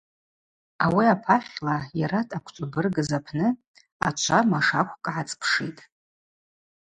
Ауи апахьла, йара дъаквчӏвабыргыз апны, ачва машаквкӏ гӏацӏпшитӏ.